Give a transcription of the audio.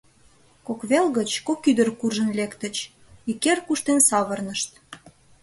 Кок вел гыч кок ӱдыр куржын лектыч, ик йыр куштен савырнышт.